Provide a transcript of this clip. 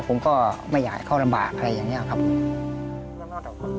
ผมก็ไม่อยากให้เขาลำบากอะไรอย่างนี้ครับ